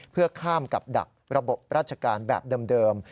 เพื่อข้ามกับดักระบบราชการแบบเดิม